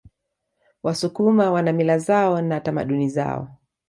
wasukuma wana mila zao na tamaduni zao